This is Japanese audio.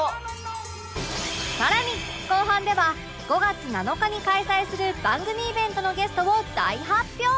さらに後半では５月７日に開催する番組イベントのゲストを大発表！